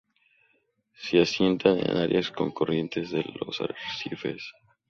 Se asientan en áreas con corrientes de los arrecifes.